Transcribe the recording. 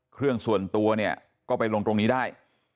เครื่องส่วนตัวเนี่ยก็ไปลงตรงนี้ได้